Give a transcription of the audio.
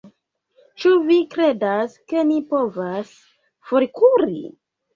Ĉu vi kredas, ke ni povas forkuri?